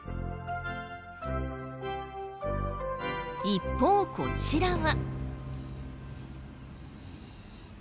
一方こちらは。